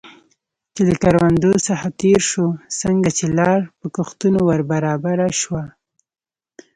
چې له کروندو څخه تېر شو، څنګه چې لار په کښتونو ور برابره شوه.